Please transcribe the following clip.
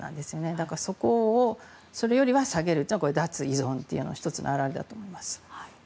だから、そこをそれよりは下げるというのは脱依存の１つの表れだと思います。